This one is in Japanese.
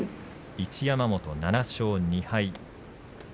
一山本、７勝２敗。